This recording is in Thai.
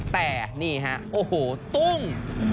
แต่นี่ฮะโอ้โหตุ้ม